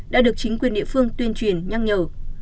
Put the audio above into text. được chính quyền địa phương tuyên truyền nhắc nhở